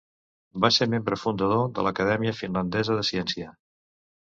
Va ser membre fundador de l’Acadèmia Finlandesa de Ciència.